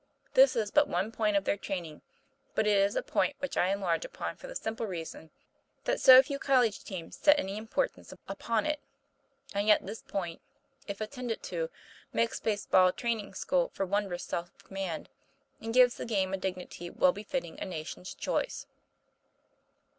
This is but one point of their training; but it is a point which I enlarge upon for the simple reason that so few college teams set any importance upon it. And yet this point, if attended to, makes base ball a training school for wondrous self command, and gives the game a dignity well befitting a nation's choice.